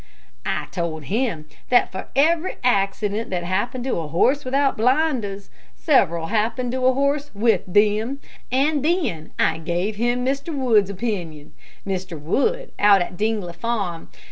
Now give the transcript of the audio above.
I told him that for every accident that happened to a horse without blinders, several happened to a horse with them; and then I gave him Mr. Wood's opinion Mr. Wood out at Dingley Farm.